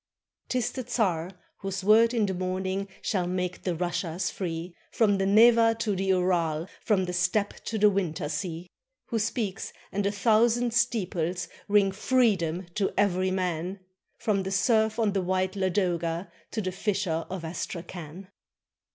'T is the czar, whose word in the morning Shall make the Russias free. From the Neva to the Ural, From the Steppe to the winter sea; Who speaks, and a thousand steeples Ring freedom to every man, — From the serf on the white Ladoga To the fisher of Astrakhan.